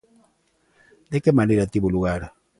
De que maneira tivo lugar?